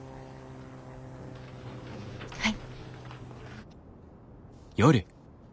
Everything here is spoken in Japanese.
はい。